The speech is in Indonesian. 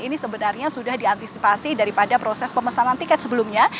ini sebenarnya sudah diantisipasi daripada proses pemesanan tiket sebelumnya